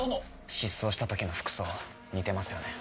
失踪した時の服装似てますよね。